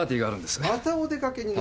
またお出かけになる。